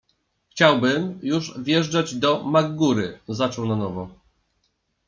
- Chciałbym, już wjeżdżać do MacGurry - zaczął na nowo.